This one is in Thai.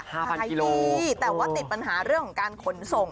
๕๐๐๐กิโลกรัมแต่ว่าติดปัญหาเรื่องของการขนส่ง